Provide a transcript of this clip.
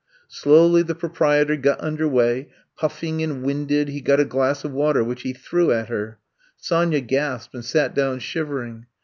Slowly the proprietor got under way; puffing and winded he got a glass of water which he threw at her. Sonya gasped, and sat down shivering.